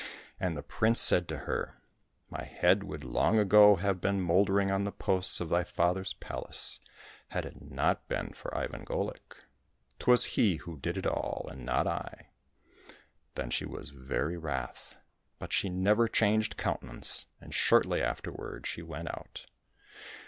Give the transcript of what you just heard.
And the prince said to her, " My head would long ago have been mouldering on the posts of thy father's palace had it not been for Ivan Golik. 'Twas he who did it all and not I." Then she was very wrath. But she never changed countenance, and shortly afterward she went out.